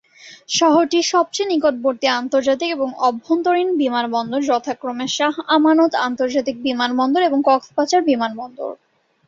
শহরটির সবচেয়ে নিকটবর্তী আন্তর্জাতিক এবং আভ্যন্তরীণ বিমানবন্দর যথাক্রমে শাহ আমানত আন্তর্জাতিক বিমানবন্দর এবং কক্সবাজার বিমানবন্দর।